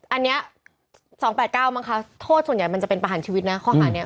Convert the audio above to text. อันนี้๒๘๙มั้งคะโทษส่วนใหญ่มันจะเป็นประหารชีวิตนะข้อหานี้